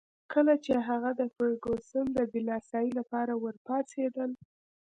کله چي هغه د فرګوسن د دلاسايي لپاره ورپاڅېدل.